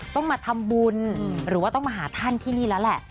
ต้องมาทำบุญหรือว่าต้องมาหาท่านที่นี่แล้วแหละ